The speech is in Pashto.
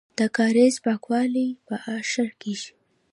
د کاریز پاکول په اشر کیږي.